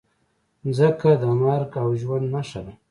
مځکه د مرګ او ژوند نښه ده.